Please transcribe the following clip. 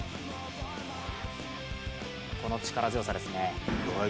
この力強さですね。